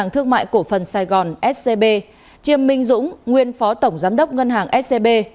tiêm minh dũng nguyên phó tổng giám đốc ngân hàng scb